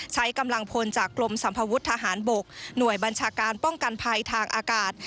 ใช้กำลังพลจากกรมสัมภวุฒิทหารบกหน่วยบัญชาการป้องกันภัยทางอากาศ